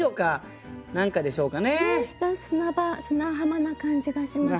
下砂場砂浜な感じがしますね。